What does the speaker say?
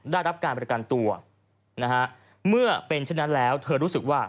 ได้รับการประกันตัวนะฮะเมื่อเป็นเช่นนั้นแล้วเธอรู้สึกว่า